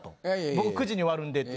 「僕９時に終わるんで」って。